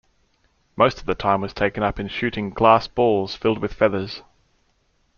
Most of the time was taken up in shooting glass balls, filled with feathers.